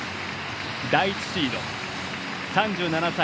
第１シード、３７歳。